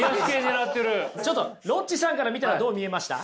ちょっとロッチさんから見たらどう見えました？